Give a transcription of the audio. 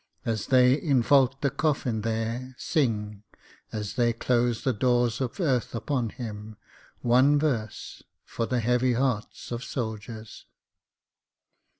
As they invault the coffin there, Sing as they close the doors of earth upon him one verse, For the heavy hearts of soldiers.